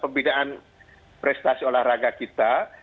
pembinaan prestasi olahraga kita